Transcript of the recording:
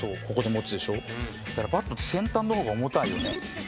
バットって先端の方が重たいよね。